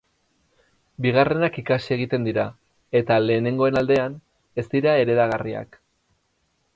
Bigarrenak ikasi egiten dira eta, lehenengoen aldean, ez dira heredagarriak.